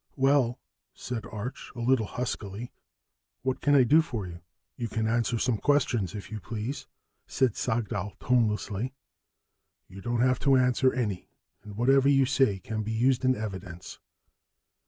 "Well," said Arch a little huskily, "what can I do for you?" "You can answer some questions, if you please," said Sagdahl tonelessly. "You don't have to answer any, and whatever you say can be used in evidence."